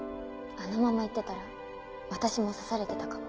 あのまま行ってたら私も刺されていたかも。